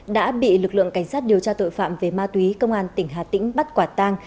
đã bị lực lượng cảnh sát điều tra tội phạm về ma túy công an tỉnh hà tĩnh bắt quả tang